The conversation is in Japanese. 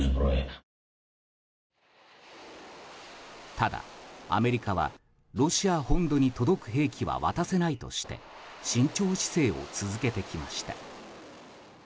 ただ、アメリカはロシア本土に届く兵器は渡せないとして慎重姿勢を続けてきました。